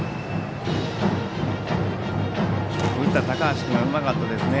打った高橋君がうまかったですね。